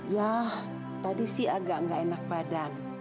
ya tadi sih agak nggak enak badan